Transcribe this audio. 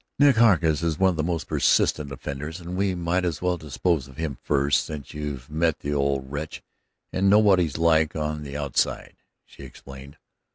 "Nick Hargus is one of the most persistent offenders, and we might as well dispose of him first, since you've met the old wretch and know what he's like on the outside," she explained.